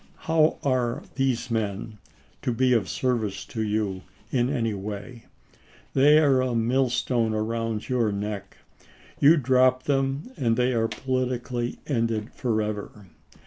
How are these men," he asked, " to be of service to you in any way 1 They are a millstone about your neck. You drop them and they are politically ended forever.